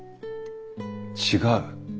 違う。